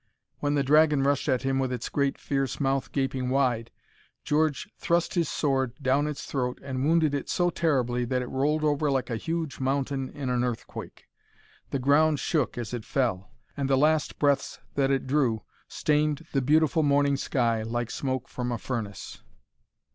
When the dragon rushed at him with its great fierce mouth gaping wide, George thrust his sword down its throat and wounded it so terribly that it rolled over like a huge mountain in an earthquake. The ground shook as it fell, and the last breaths that it drew stained the beautiful morning sky, like smoke from a furnace.